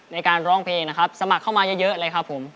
ในการร้องเพลงนะครับสมัครเข้ามาเยอะเลยครับผม